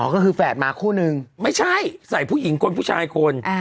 ก็คือแฝดมาคู่นึงไม่ใช่ใส่ผู้หญิงคนผู้ชายคน